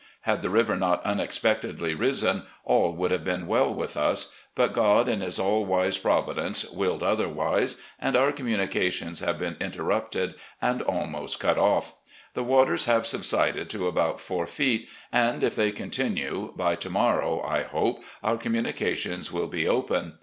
Had the river not unexpectedly risen, all wotild have been well with us; but God, in His all wise providence, willed otherwise, and our communications 102 RECOLLECTIONS OF GENERAL LEE have been interrupted and almost cut off. The waters have subsided to about four feet, and, if they continue, by to morrow, I hope, our communications will be open.